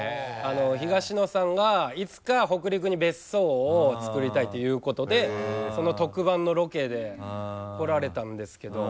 東野さんがいつか北陸に別荘をつくりたいということでその特番のロケで来られたんですけど。